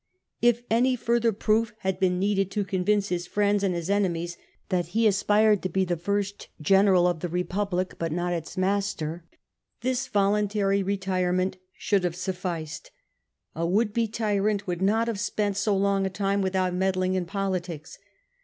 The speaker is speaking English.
If any further proof had been needed to convince his friends and his enemies that he aspired to be the first general of the Eepublic, but not its master, this voluntary retire ment should have sufficed. A would be tyrant would not have spent so long a time without meddling in politics.